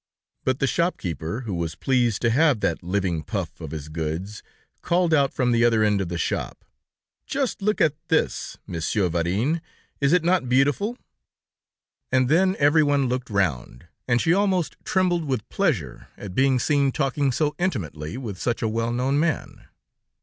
But the shop keeper, who was pleased to have that living puff of his goods, called out, from the other end of the shop: "Just look at this, Monsieur Varin; is it not beautiful?" And then everyone looked round, and she almost trembled with pleasure at being seen talking so intimately with such a well known man.